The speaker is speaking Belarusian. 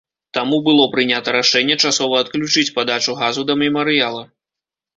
Таму было прынята рашэнне часова адключыць падачу газу да мемарыяла.